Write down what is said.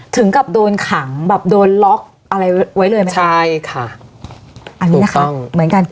ถึงกับโดนขังแบบโดนล็อกอะไรไว้เลยไหมคะใช่ค่ะอันนี้นะคะเหมือนกัน